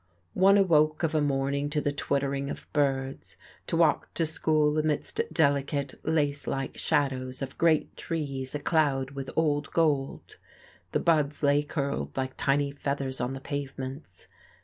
One awoke of a morning to the twittering of birds, to walk to school amidst delicate, lace like shadows of great trees acloud with old gold: the buds lay curled like tiny feathers on the pavements.